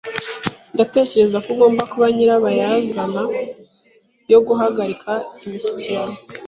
Ndatekereza ko ugomba kuba nyirabayazana yo guhagarika imishyikirano.